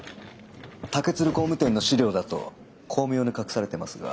竹鶴工務店の資料だと巧妙に隠されてますが。